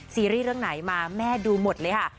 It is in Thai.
ซีรีส์เรื่องไหนมาแม่ดูหมดเลยค่ะ